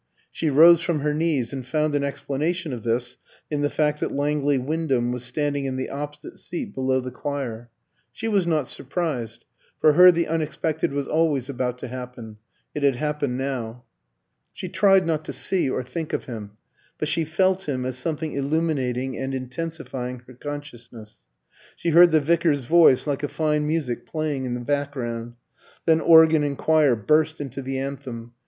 She rose from her knees and found an explanation of this in the fact that Langley Wyndham was standing in the opposite seat below the choir. She was not surprised; for her the unexpected was always about to happen. It had happened now. She tried not to see or think of him; but she felt him as something illuminating and intensifying her consciousness. She heard the vicar's voice like a fine music playing in the background. Then organ and choir burst into the anthem.